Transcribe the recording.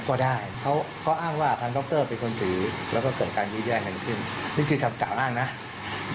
ตามขั้นตอนของกฎหมายที่นี่นะครับ